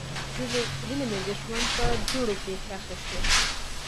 هیلې مې د ژوند په دوړو کې ښخې شوې.